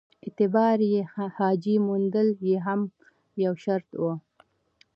اعتباري حاجي موندل یې هم یو شرط وو.